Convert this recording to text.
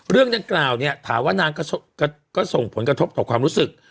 เรื่องดังกล่าวเนี่ยถามว่านางก็ส่งผลกระทบต่อความรู้สึก